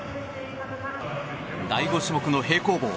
第５種目の平行棒。